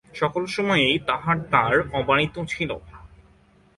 সকল সময়েই তাঁহার দ্বার অবারিত ছিল।